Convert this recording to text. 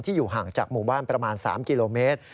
อยู่ห่างจากหมู่บ้านประมาณ๓กิโลเมตร